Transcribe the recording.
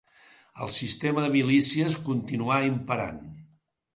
El sistema de milícies continuà imperant.